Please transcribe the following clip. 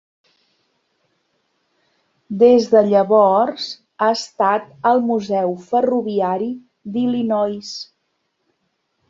Des de llavors ha estat al Museu ferroviari d'Illinois.